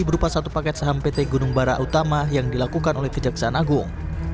berupa satu paket saham pt gunung bara utama yang dilakukan oleh kejaksaan agung